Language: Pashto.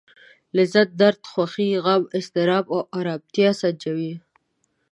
لذت درد خوښي غم اضطراب ارامتيا سنجوو.